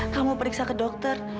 kamu periksa ke dokter